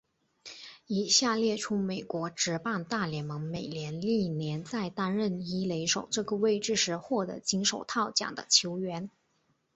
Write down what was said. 以下列出美国职棒大联盟美联历年在担任一垒手这个位置时获得金手套奖的球员。